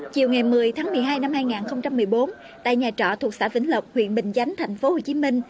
chiều ngày một mươi tháng một mươi hai năm hai nghìn một mươi bốn tại nhà trọ thuộc xã vĩnh lộc huyện bình chánh tp hcm